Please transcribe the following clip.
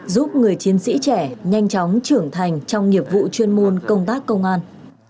giúp người chiến sĩ trẻ nhanh chóng trưởng thành trong nghiệp vụ chuyên môn công tác công an